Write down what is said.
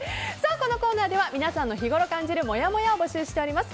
このコーナーでは皆さんの日頃感じるもやもやを募集しています。